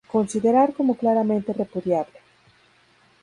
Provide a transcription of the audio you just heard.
considerar como claramente repudiable.